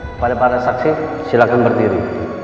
kepada para saksi silakan berdiri